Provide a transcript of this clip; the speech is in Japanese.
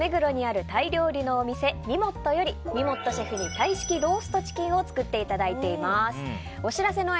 東京・目黒にあるタイ料理のお店みもっとよりみもっとシェフにタイ式ローストチキンを作っていただいています。